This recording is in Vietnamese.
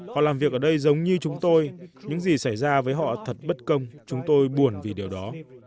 họ làm việc ở đây giống như chúng tôi những gì xảy ra với họ thật bất công chúng tôi buồn vì điều đó